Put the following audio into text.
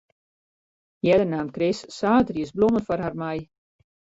Earder naam Chris saterdeis blommen foar har mei.